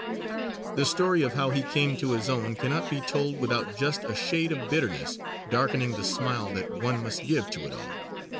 The story of how he came to his own cannot be told without just a shade of bitterness darkening the smile that one must give to it all.